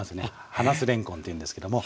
花酢れんこんっていうんですけども。